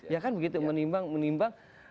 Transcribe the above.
ya kan begitu menimbang menimbang